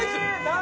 何？